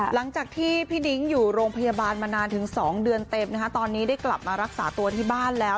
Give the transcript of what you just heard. หลังจากที่พี่ดิ้งอยู่โรงพยาบาลมานานถึง๒เดือนเต็มตอนนี้ได้กลับมารักษาตัวที่บ้านแล้ว